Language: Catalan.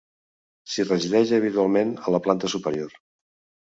S'hi resideix habitualment a la planta superior.